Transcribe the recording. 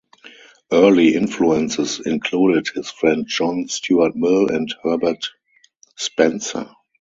Early influences included his friend John Stuart Mill and Herbert Spencer.